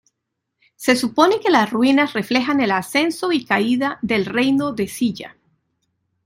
Se supone que las ruinas reflejan el ascenso y caída del reino de Silla.